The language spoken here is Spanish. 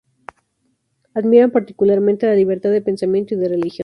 Admiran particularmente la libertad de pensamiento y de religión.